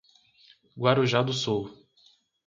Guarujá do Sul